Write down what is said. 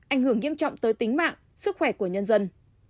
ảnh hưởng nghiêm trọng tới tính mạng sức khỏe của nhân dân